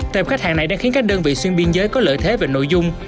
tệp khách hàng này đang khiến các đơn vị xuyên biên giới có lợi thế về nội dung